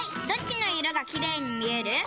どっちの色がキレイに見える？